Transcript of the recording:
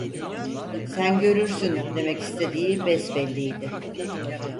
"Sen görürsün!" demek istediği besbelliydi.